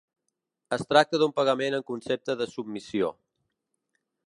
Es tracta d’un pagament en concepte de submissió.